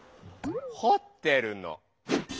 ほってるの。